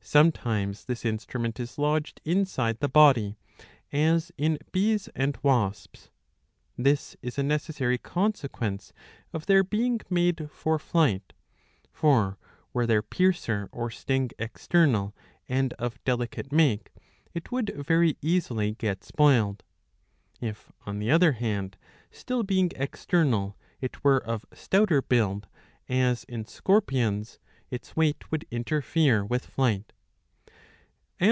Sometimes this instru ment is lodged inside the body, as in bees and wasps. This is a necessary consequence of their being made for flight. For, were their piercer or sting external and of delicate make, it would very easily get spoiled. If on the other hand, still being 683a. iv. 6. 109 external, it were of stouter build, as in scorpions, its weight would interfere with flight.